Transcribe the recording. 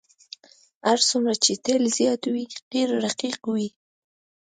هر څومره چې تیل زیات وي قیر رقیق وي